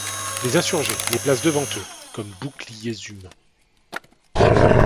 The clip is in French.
Les insurgés les placent devant eux, comme boucliers humains.